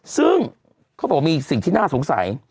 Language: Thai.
ซึ่งเขาบอกมีสิ่งที่น่าสงสัย